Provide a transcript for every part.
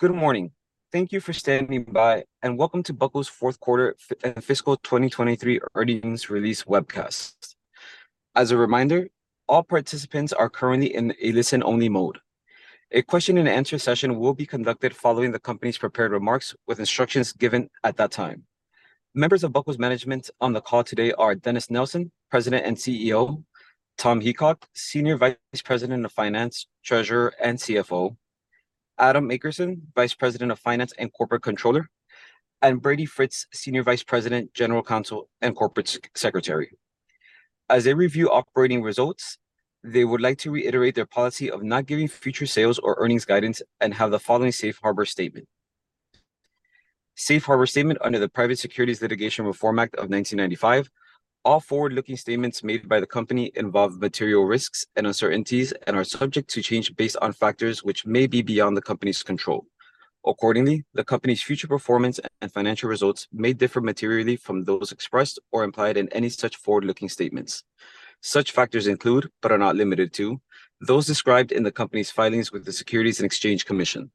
Good morning. Thank you for standing by, and welcome to Buckle's fourth quarter fiscal 2023 earnings release webcast. As a reminder, all participants are currently in a listen-only mode. A question-and-answer session will be conducted following the company's prepared remarks, with instructions given at that time. Members of Buckle's management on the call today are Dennis Nelson, President and CEO, Tom Heacock, Senior Vice President of Finance, Treasurer, and CFO, Adam Akerson, Vice President of Finance and Corporate Controller, and Brady Fritz, Senior Vice President, General Counsel, and Corporate Secretary. As they review operating results, they would like to reiterate their policy of not giving future sales or earnings guidance and have the following safe harbor statement. Safe Harbor Statement under the Private Securities Litigation Reform Act of 1995: All forward-looking statements made by the company involve material risks and uncertainties and are subject to change based on factors which may be beyond the company's control. Accordingly, the company's future performance and financial results may differ materially from those expressed or implied in any such forward-looking statements. Such factors include, but are not limited to, those described in the company's filings with the Securities and Exchange Commission.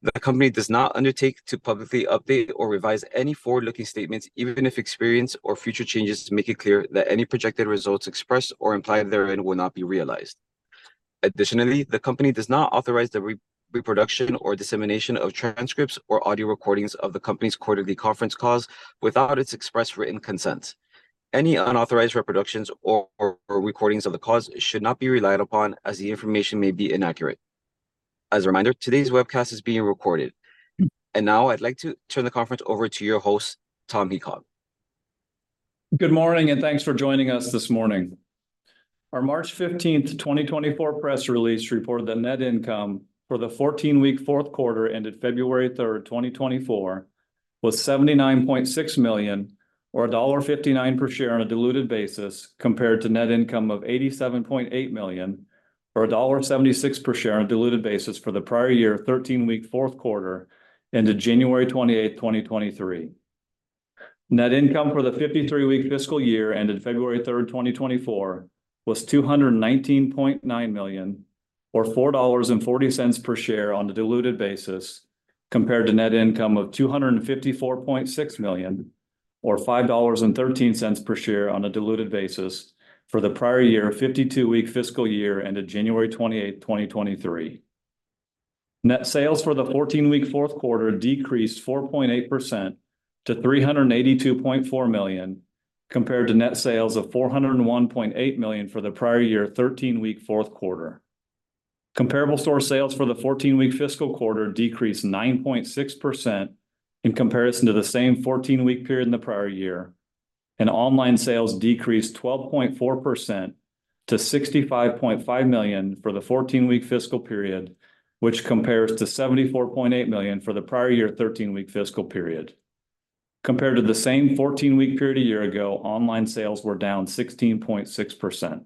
The company does not undertake to publicly update or revise any forward-looking statements, even if experience or future changes make it clear that any projected results expressed or implied therein will not be realized. Additionally, the company does not authorize the reproduction or dissemination of transcripts or audio recordings of the company's quarterly conference calls without its express written consent. Any unauthorized reproductions or recordings of the calls should not be relied upon, as the information may be inaccurate. As a reminder, today's webcast is being recorded. And now I'd like to turn the conference over to your host, Tom Heacock. Good morning, and thanks for joining us this morning. Our March 15, 2024, press release reported that net income for the 14-week fourth quarter ended February 3, 2024, was $79.6 million, or $1.59 per share on a diluted basis, compared to net income of $87.8 million, or $1.76 per share on a diluted basis for the prior year 13-week fourth quarter ended January 28, 2023. Net income for the 53-week fiscal year ended February 3, 2024, was $219.9 million, or $4.40 per share on a diluted basis, compared to net income of $254.6 million, or $5.13 per share on a diluted basis for the prior year 52-week fiscal year ended January 28, 2023. Net sales for the 14-week fourth quarter decreased 4.8% to $382.4 million, compared to net sales of $401.8 million for the prior year 13-week fourth quarter. Comparable store sales for the 14-week fiscal quarter decreased 9.6% in comparison to the same 14-week period in the prior year, and online sales decreased 12.4% to $65.5 million for the 14-week fiscal period, which compares to $74.8 million for the prior year 13-week fiscal period. Compared to the same 14-week period a year ago, online sales were down 16.6%.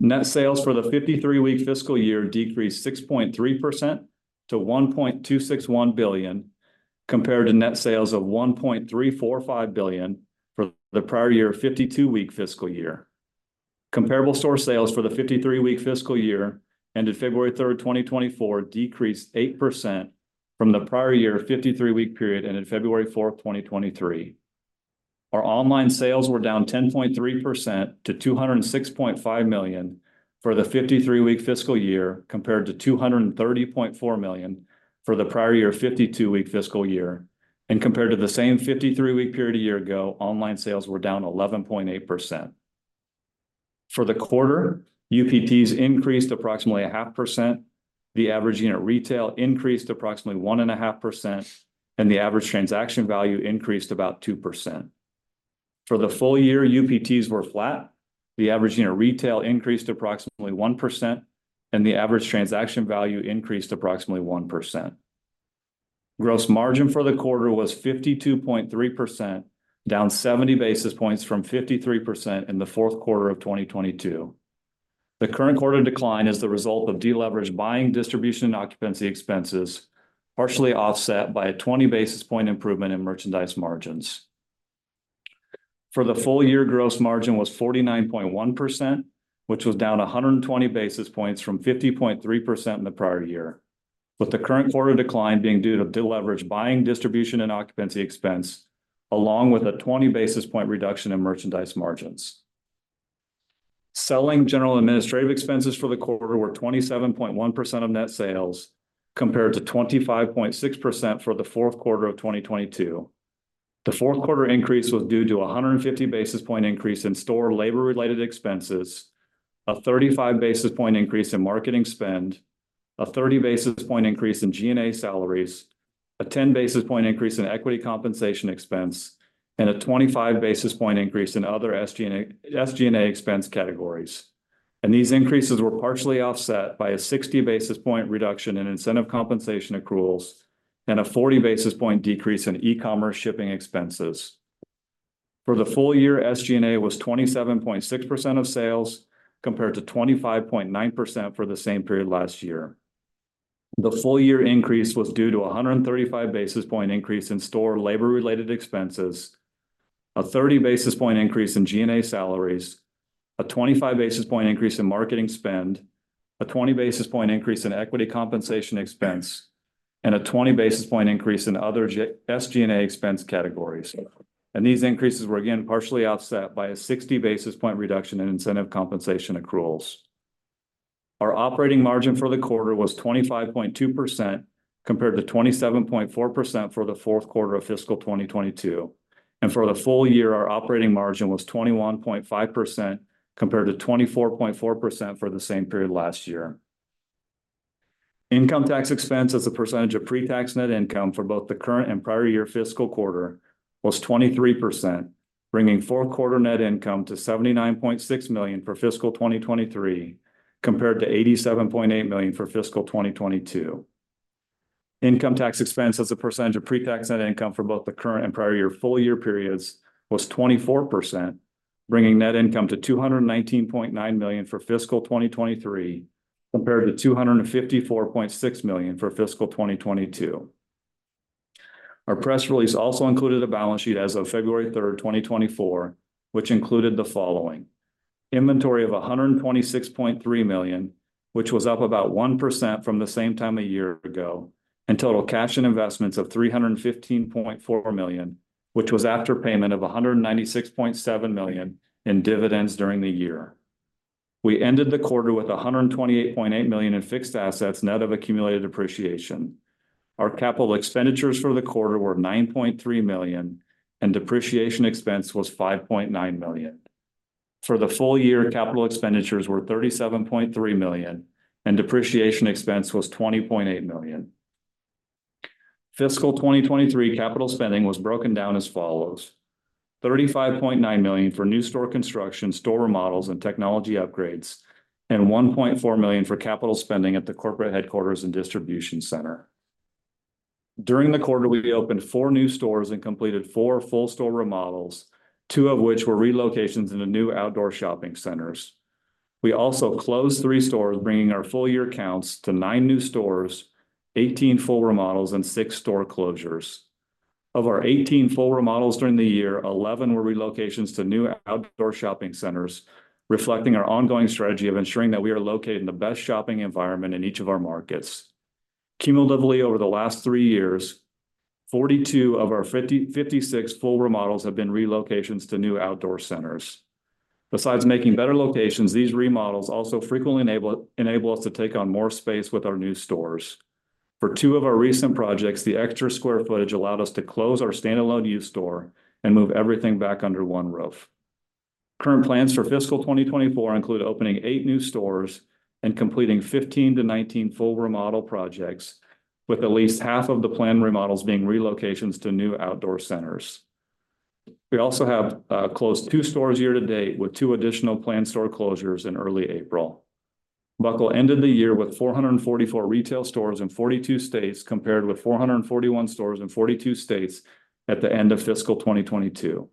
Net sales for the 53-week fiscal year decreased 6.3% to $1.261 billion, compared to net sales of $1.345 billion for the prior year 52-week fiscal year. Comparable store sales for the 53-week fiscal year ended February 3, 2024, decreased 8% from the prior year 53-week period ended February 4, 2023. Our online sales were down 10.3% to $206.5 million for the 53-week fiscal year, compared to $230.4 million for the prior year 52-week fiscal year, and compared to the same 53-week period a year ago, online sales were down 11.8%. For the quarter, UPTs increased approximately 0.5%, the average unit retail increased approximately 1.5%, and the average transaction value increased about 2%. For the full year, UPTs were flat, the average unit retail increased approximately 1%, and the average transaction value increased approximately 1%. Gross margin for the quarter was 52.3%, down 70 basis points from 53% in the fourth quarter of 2022. The current quarter decline is the result of deleveraged buying distribution and occupancy expenses, partially offset by a 20 basis point improvement in merchandise margins. For the full year, gross margin was 49.1%, which was down 120 basis points from 50.3% in the prior year, with the current quarter decline being due to deleveraged buying distribution and occupancy expense, along with a 20 basis point reduction in merchandise margins. Selling general administrative expenses for the quarter were 27.1% of net sales, compared to 25.6% for the fourth quarter of 2022. The fourth quarter increase was due to a 150 basis point increase in store labor-related expenses, a 35 basis point increase in marketing spend, a 30 basis point increase in G&A salaries, a 10 basis point increase in equity compensation expense, and a 25 basis point increase in other SG&A expense categories. These increases were partially offset by a 60 basis point reduction in incentive compensation accruals and a 40 basis point decrease in e-commerce shipping expenses. For the full year, SG&A was 27.6% of sales, compared to 25.9% for the same period last year. The full year increase was due to a 135 basis point increase in store labor-related expenses, a 30 basis point increase in G&A salaries, a 25 basis point increase in marketing spend, a 20 basis point increase in equity compensation expense, and a 20 basis point increase in other SG&A expense categories. These increases were, again, partially offset by a 60 basis point reduction in incentive compensation accruals. Our operating margin for the quarter was 25.2%, compared to 27.4% for the fourth quarter of fiscal 2022. For the full year, our operating margin was 21.5%, compared to 24.4% for the same period last year. Income tax expense as a percentage of pre-tax net income for both the current and prior year fiscal quarter was 23%, bringing fourth quarter net income to $79.6 million for fiscal 2023, compared to $87.8 million for fiscal 2022. Income tax expense as a percentage of pre-tax net income for both the current and prior year full year periods was 24%, bringing net income to $219.9 million for fiscal 2023, compared to $254.6 million for fiscal 2022. Our press release also included a balance sheet as of February 3, 2024, which included the following: inventory of $126.3 million, which was up about 1% from the same time a year ago; and total cash and investments of $315.4 million, which was after payment of $196.7 million in dividends during the year. We ended the quarter with $128.8 million in fixed assets net of accumulated depreciation. Our capital expenditures for the quarter were $9.3 million, and depreciation expense was $5.9 million. For the full year, capital expenditures were $37.3 million, and depreciation expense was $20.8 million. Fiscal 2023 capital spending was broken down as follows: $35.9 million for new store construction, store remodels, and technology upgrades, and $1.4 million for capital spending at the corporate headquarters and distribution center. During the quarter, we opened 4 new stores and completed 4 full store remodels, 2 of which were relocations in the new outdoor shopping centers. We also closed 3 stores, bringing our full year counts to 9 new stores, 18 full remodels, and 6 store closures. Of our 18 full remodels during the year, 11 were relocations to new outdoor shopping centers, reflecting our ongoing strategy of ensuring that we are located in the best shopping environment in each of our markets. Cumulatively, over the last three years, 42 of our 56 full remodels have been relocations to new outdoor centers. Besides making better locations, these remodels also frequently enable us to take on more space with our new stores. For two of our recent projects, the extra square footage allowed us to close our standalone used store and move everything back under one roof. Current plans for fiscal 2024 include opening eight new stores and completing 15-19 full remodel projects, with at least half of the planned remodels being relocations to new outdoor centers. We also have closed two stores year to date, with two additional planned store closures in early April. Buckle ended the year with 444 retail stores in 42 states, compared with 441 stores in 42 states at the end of fiscal 2022.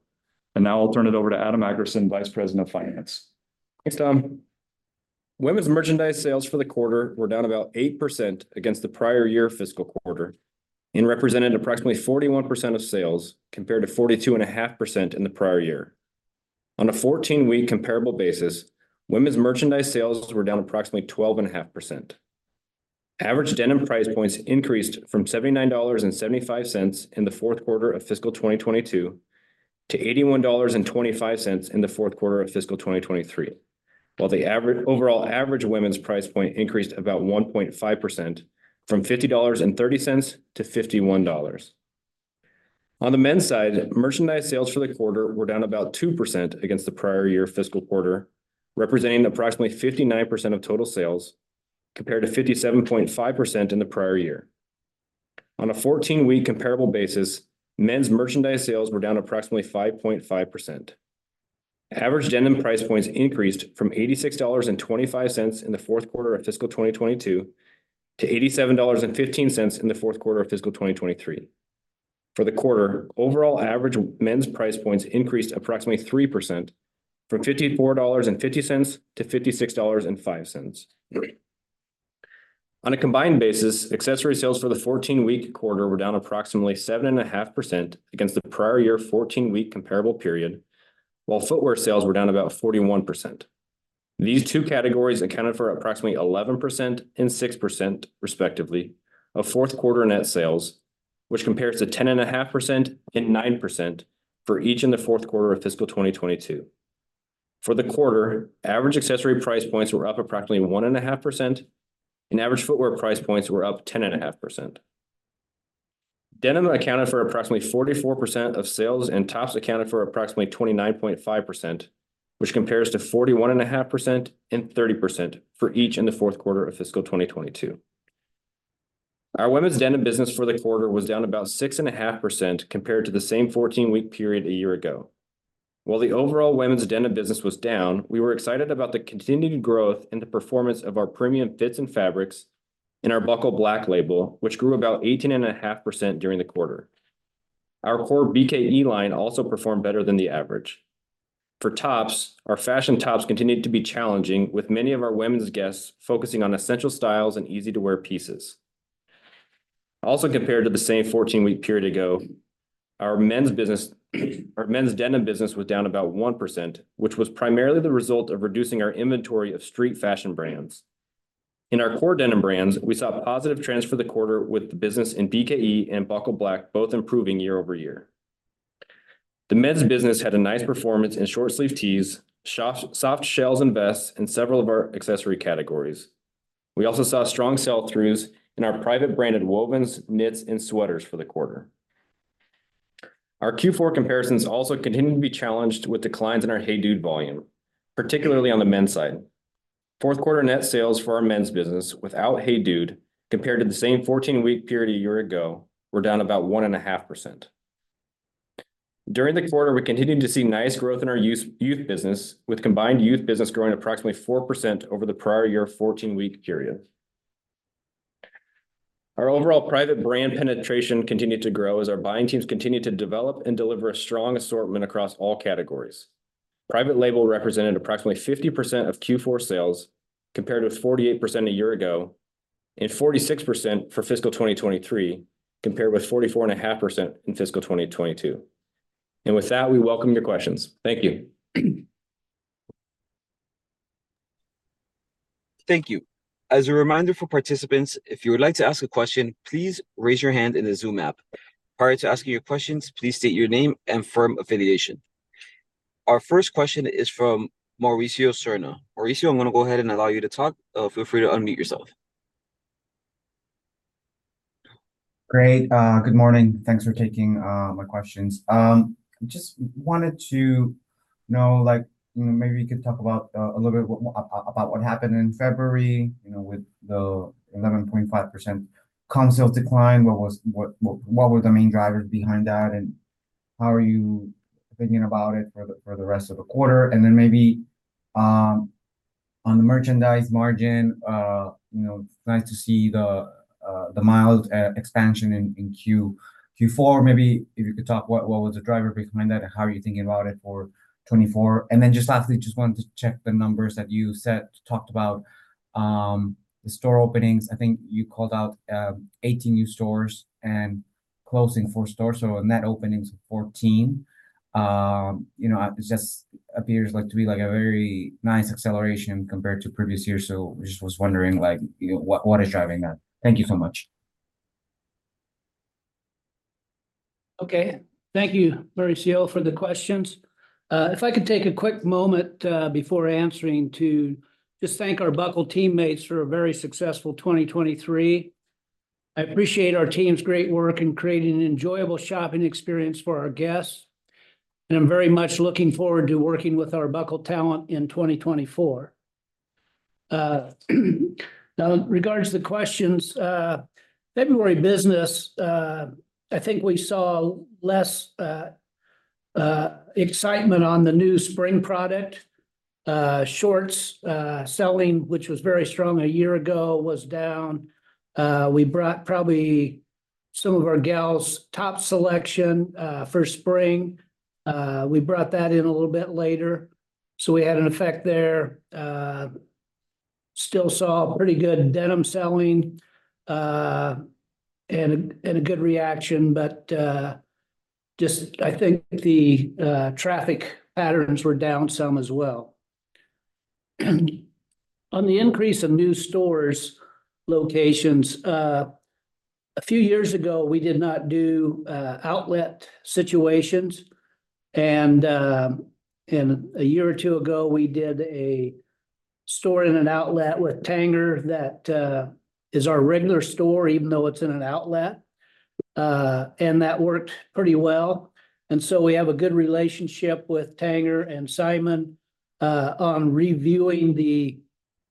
Now I'll turn it over to Adam Akerson, Vice President of Finance. Thanks, Tom. Women's merchandise sales for the quarter were down about 8% against the prior year fiscal quarter and represented approximately 41% of sales, compared to 42.5% in the prior year. On a 14-week comparable basis, women's merchandise sales were down approximately 12.5%. Average denim price points increased from $79.75 in the fourth quarter of fiscal 2022 to $81.25 in the fourth quarter of fiscal 2023, while the overall average women's price point increased about 1.5% from $50.30 to $51. On the men's side, merchandise sales for the quarter were down about 2% against the prior year fiscal quarter, representing approximately 59% of total sales, compared to 57.5% in the prior year. On a 14-week comparable basis, men's merchandise sales were down approximately 5.5%. Average denim price points increased from $86.25 in the fourth quarter of fiscal 2022 to $87.15 in the fourth quarter of fiscal 2023. For the quarter, overall average men's price points increased approximately 3% from $54.50 to $56.05. On a combined basis, accessory sales for the 14-week quarter were down approximately 7.5% against the prior year 14-week comparable period, while footwear sales were down about 41%. These two categories accounted for approximately 11% and 6%, respectively, of fourth quarter net sales, which compares to 10.5% and 9% for each in the fourth quarter of fiscal 2022. For the quarter, average accessory price points were up approximately 1.5%, and average footwear price points were up 10.5%. Denim accounted for approximately 44% of sales, and tops accounted for approximately 29.5%, which compares to 41.5% and 30% for each in the fourth quarter of fiscal 2022. Our women's denim business for the quarter was down about 6.5% compared to the same 14-week period a year ago. While the overall women's denim business was down, we were excited about the continued growth in the performance of our premium fits and fabrics in our Buckle Black label, which grew about 18.5% during the quarter. Our core BKE line also performed better than the average. For tops, our fashion tops continued to be challenging, with many of our women's guests focusing on essential styles and easy-to-wear pieces. Also compared to the same 14-week period ago, our men's business was down about 1%, which was primarily the result of reducing our inventory of street fashion brands. In our core denim brands, we saw positive trends for the quarter, with the business in BKE and Buckle Black both improving year-over-year. The men's business had a nice performance in short sleeve tees, soft shells and vests, and several of our accessory categories. We also saw strong sell-throughs in our private branded wovens, knits, and sweaters for the quarter. Our Q4 comparisons also continued to be challenged with declines in our HEYDUDE volume, particularly on the men's side. Fourth quarter net sales for our men's business without HEYDUDE, compared to the same 14-week period a year ago, were down about 1.5%. During the quarter, we continued to see nice growth in our youth business, with combined youth business growing approximately 4% over the prior year 14-week period. Our overall private brand penetration continued to grow as our buying teams continued to develop and deliver a strong assortment across all categories. Private label represented approximately 50% of Q4 sales, compared with 48% a year ago, and 46% for fiscal 2023, compared with 44.5% in fiscal 2022. With that, we welcome your questions. Thank you. Thank you. As a reminder for participants, if you would like to ask a question, please raise your hand in the Zoom app. Prior to asking your questions, please state your name and firm affiliation. Our first question is from Mauricio Serna. Mauricio, I'm going to go ahead and allow you to talk. Feel free to unmute yourself. Great. Good morning. Thanks for taking my questions. I just wanted to know, maybe you could talk about a little bit about what happened in February with the 11.5% comp sales decline. What were the main drivers behind that, and how are you thinking about it for the rest of the quarter? And then maybe on the merchandise margin, it's nice to see the mild expansion in Q4. Maybe if you could talk, what was the driver behind that, and how are you thinking about it for 2024? And then just lastly, just wanted to check the numbers that you said, talked about the store openings. I think you called out 18 new stores and closing 4 stores, so net openings of 14. It just appears to be a very nice acceleration compared to previous years, so I just was wondering what is driving that. Thank you so much. Okay. Thank you, Mauricio, for the questions. If I could take a quick moment before answering to just thank our Buckle teammates for a very successful 2023. I appreciate our team's great work in creating an enjoyable shopping experience for our guests, and I'm very much looking forward to working with our Buckle talent in 2024. Now, in regards to the questions, February business, I think we saw less excitement on the new spring product. Shorts selling, which was very strong a year ago, was down. We brought probably some of our gals' top selection for spring. We brought that in a little bit later, so we had an effect there. Still saw pretty good denim selling and a good reaction, but just I think the traffic patterns were down some as well. On the increase of new stores locations, a few years ago, we did not do outlet situations. A year or two ago, we did a store in an outlet with Tanger that is our regular store, even though it's in an outlet, and that worked pretty well. So we have a good relationship with Tanger and Simon on reviewing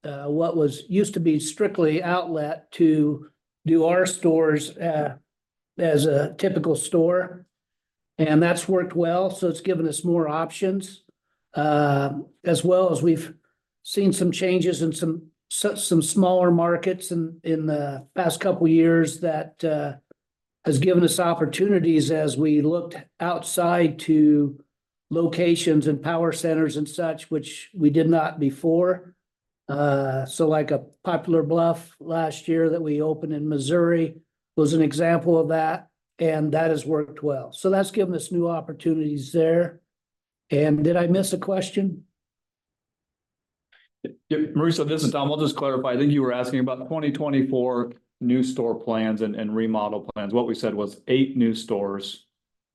what used to be strictly outlet to do our stores as a typical store. And that's worked well, so it's given us more options, as well as we've seen some changes in some smaller markets in the past couple of years that has given us opportunities as we looked outside to locations and power centers and such, which we did not before. So Poplar Bluff last year that we opened in Missouri was an example of that, and that has worked well. So that's given us new opportunities there. And did I miss a question? Yep. Mauricio, this is Tom. I'll just clarify. I think you were asking about 2024 new store plans and remodel plans. What we said was 8 new stores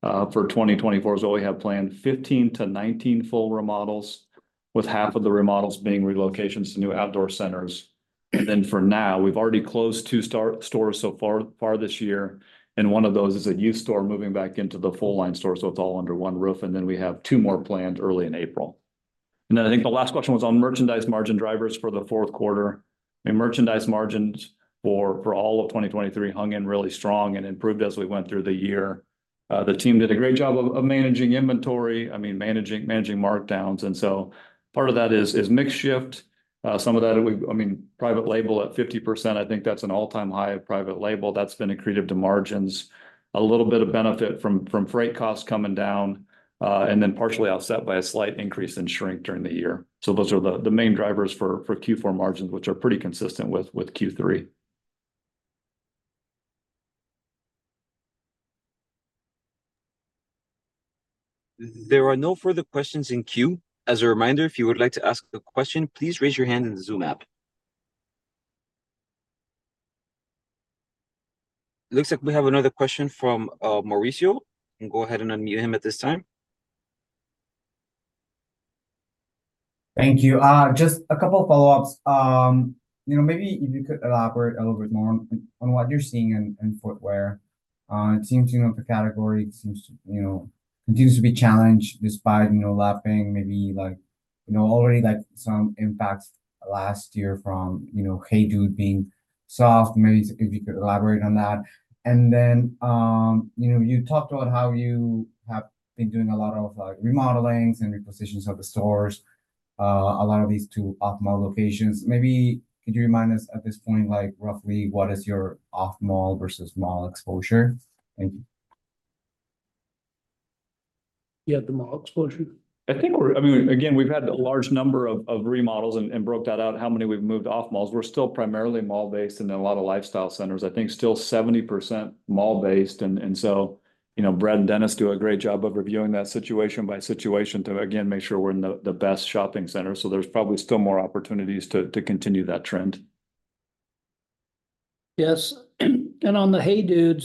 for 2024 is all we have planned, 15-19 full remodels, with half of the remodels being relocations to new outdoor centers. And then for now, we've already closed 2 stores so far this year, and one of those is a used store moving back into the full-line store, so it's all under one roof, and then we have 2 more planned early in April. And then I think the last question was on merchandise margin drivers for the fourth quarter. I mean, merchandise margins for all of 2023 hung in really strong and improved as we went through the year. The team did a great job of managing inventory, I mean, managing markdowns. And so part of that is mixed shift. Some of that, I mean, private label at 50%, I think that's an all-time high of private label. That's been accretive to margins, a little bit of benefit from freight costs coming down, and then partially offset by a slight increase in shrink during the year. So those are the main drivers for Q4 margins, which are pretty consistent with Q3. There are no further questions in queue. As a reminder, if you would like to ask a question, please raise your hand in the Zoom app. Looks like we have another question from Mauricio. You can go ahead and unmute him at this time. Thank you. Just a couple of follow-ups. Maybe if you could elaborate a little bit more on what you're seeing in footwear. It seems the category continues to be challenged despite lapping, maybe already some impacts last year from HEYDUDE being soft, maybe if you could elaborate on that. And then you talked about how you have been doing a lot of remodelings and repositions of the stores, a lot of these two off-mall locations. Maybe could you remind us at this point, roughly, what is your off-mall versus mall exposure? Thank you. Yeah. The mall exposure? I think we're, I mean, again, we've had a large number of remodels and broke that out, how many we've moved off-malls. We're still primarily mall-based and in a lot of lifestyle centers. I think still 70% mall-based. And so Brady and Dennis do a great job of reviewing that situation by situation to, again, make sure we're in the best shopping center. So there's probably still more opportunities to continue that trend. Yes. On the HEYDUDE,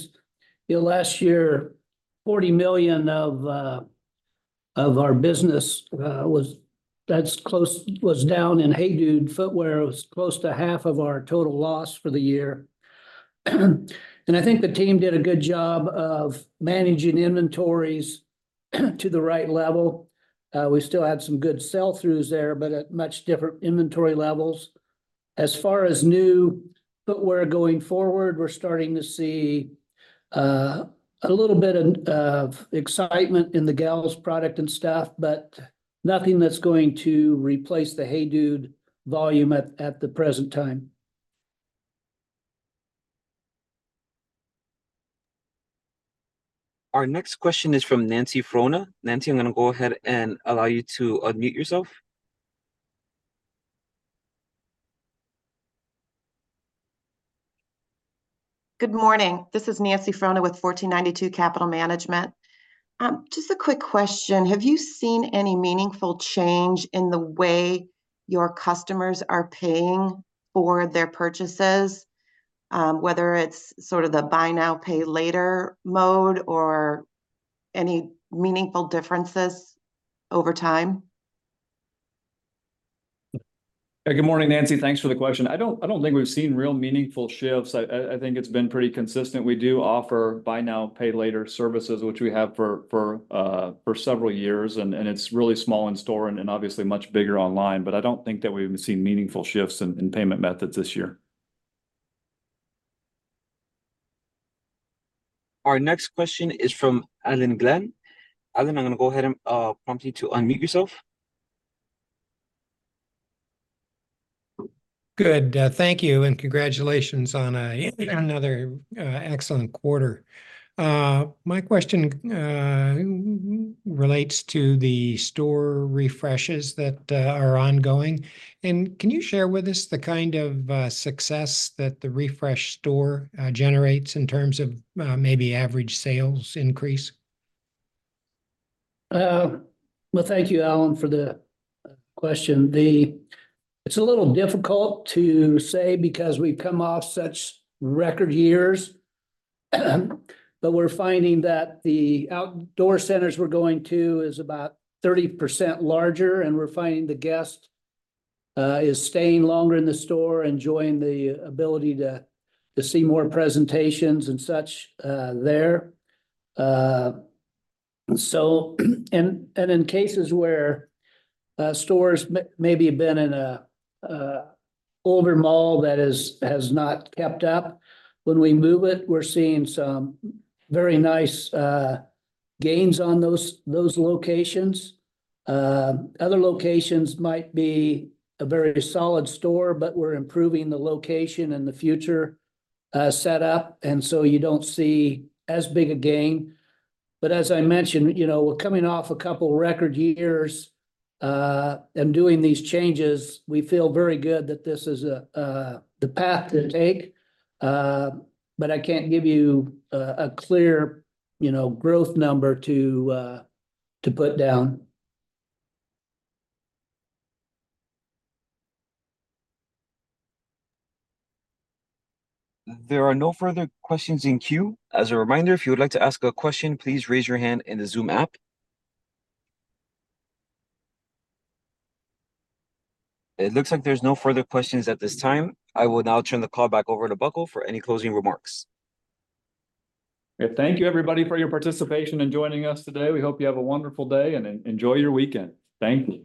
last year, $40 million of our business was down in HEYDUDE footwear. It was close to half of our total loss for the year. I think the team did a good job of managing inventories to the right level. We still had some good sell-throughs there, but at much different inventory levels. As far as new footwear going forward, we're starting to see a little bit of excitement in the gals' product and stuff, but nothing that's going to replace the HEYDUDE volume at the present time. Our next question is from Nancy Frohna. Nancy, I'm going to go ahead and allow you to unmute yourself. Good morning. This is Nancy Frohna with 1492 Capital Management. Just a quick question. Have you seen any meaningful change in the way your customers are paying for their purchases, whether it's sort of the buy now, pay later mode or any meaningful differences over time? Yeah. Good morning, Nancy. Thanks for the question. I don't think we've seen real meaningful shifts. I think it's been pretty consistent. We do offer buy now, pay later services, which we have for several years, and it's really small in store and obviously much bigger online. But I don't think that we've seen meaningful shifts in payment methods this year. Our next question is from Alan Glenn. Alan, I'm going to go ahead and prompt you to unmute yourself. Good. Thank you and congratulations on another excellent quarter. My question relates to the store refreshes that are ongoing. Can you share with us the kind of success that the refresh store generates in terms of maybe average sales increase? Well, thank you, Alan, for the question. It's a little difficult to say because we've come off such record years, but we're finding that the outdoor centers we're going to is about 30% larger, and we're finding the guest is staying longer in the store, enjoying the ability to see more presentations and such there. And in cases where stores maybe have been in an older mall that has not kept up, when we move it, we're seeing some very nice gains on those locations. Other locations might be a very solid store, but we're improving the location and the future setup, and so you don't see as big a gain. But as I mentioned, we're coming off a couple of record years and doing these changes. We feel very good that this is the path to take, but I can't give you a clear growth number to put down. There are no further questions in queue. As a reminder, if you would like to ask a question, please raise your hand in the Zoom app. It looks like there's no further questions at this time. I will now turn the call back over to Buckle for any closing remarks. Yeah. Thank you, everybody, for your participation and joining us today. We hope you have a wonderful day and enjoy your weekend. Thank you.